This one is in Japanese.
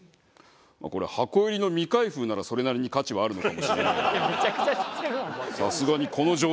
これ箱入りの未開封ならそれなりに価値はあるのかもしれないがさすがにこの状態だとな。